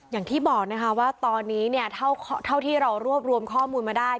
อย่างที่บอกนะคะว่าตอนนี้เนี่ยเท่าที่เรารวบรวมข้อมูลมาได้